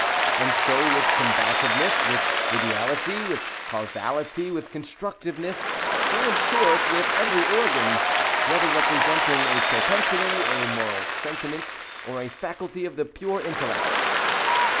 And so with combativeness, with ideality, with causality, with constructiveness,—so, in short, with every organ, whether representing a propensity, a moral sentiment, or a faculty of the pure intellect.